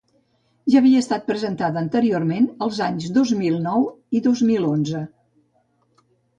Ja havia estat presentada anteriorment, els anys dos mil nou i el dos mil onze.